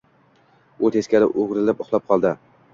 U teskari o‘girilib uxlab qoldi.